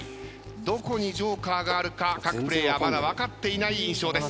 どこにジョーカーがあるか各プレイヤーまだ分かっていない印象です。